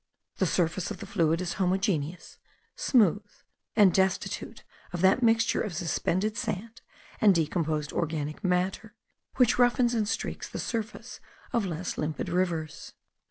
The surface of the fluid is homogeneous, smooth, and destitute of that mixture of suspended sand and decomposed organic matter, which roughens and streaks the surface of less limpid rivers.